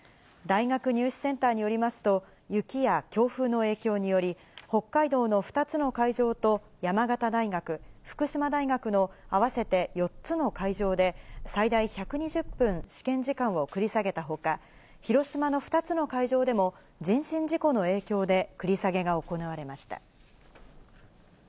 大学入試センターによりますと、雪や強風の影響により、北海道の２つの会場と、山形大学、福島大学の合わせて４つの会場で、最大１２０分、試験時間を繰り下げたほか、広島の２つの会場でも、人身事故の影響で繰り下げが行われました。